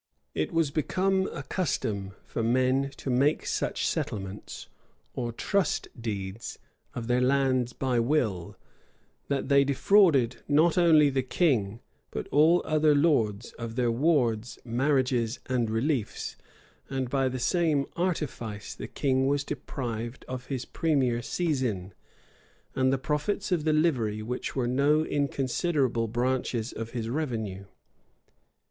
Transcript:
It was become a custom for men to make such settlements, or trust deeds, of their lands by will, that they defrauded not only the king, but all other lords, of their wards, marriages, and reliefs; and by the same artifice the king was deprived of his premier seizin, and the profits of the livery, which were no inconsiderable branches of his revenue.